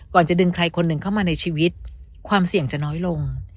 จะดึงใครคนหนึ่งเข้ามาในชีวิตความเสี่ยงจะน้อยลง